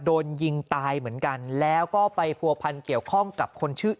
โดนยิงตายเหมือนกันแล้วก็ไปผัวพันเกี่ยวข้องกับคนชื่อ